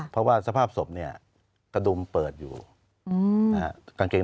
เพราะว่าสภาพศพเนี่ยกระดุมเปิดอยู่กางเกง